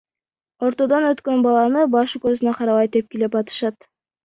Ортодон өткөн баланы башы көзүнө карабай тепкилеп атышат.